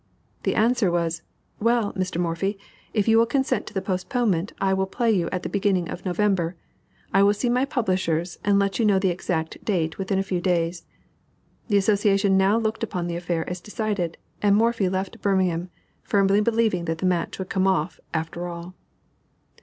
The answer was: "Well, Mr. Morphy, if you will consent to the postponement, I will play you at the beginning of November. I will see my publishers, and let you know the exact date within a few days." The association now looked upon the affair as decided, and Morphy left Birmingham, firmly believing that the match would come off after all.